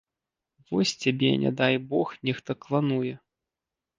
Вось цябе не дай бог нехта клануе.